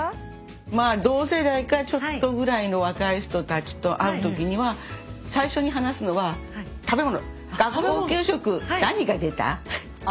まあ同世代かちょっとぐらいの若い人たちと会う時には最初に話すのは食べ物。